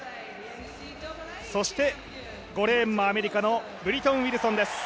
５レーンもアメリカのブリトン・ウィルソンです。